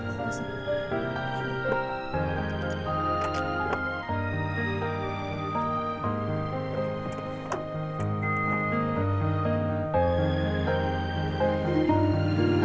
bagaimana tuh kesempatan bernard dalam kesehatan yang biru kesuk rituals tidak